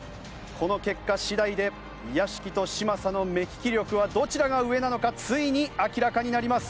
この結果次第で屋敷と嶋佐の目利き力はどちらが上なのかついに明らかになります。